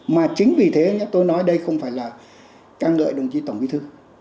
mà chính vì thế tôi nói đây không phải là ca ngợi đồng chí tổng bí thư